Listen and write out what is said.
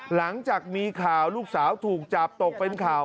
หลังจากมีข่าวลูกสาวถูกจับตกเป็นข่าว